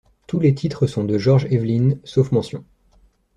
Tous les titres sont de George Evelyn, sauf mentions.